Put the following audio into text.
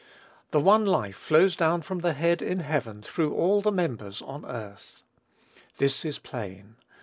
The one life flows down from the Head in heaven through all the members on earth. This is plain.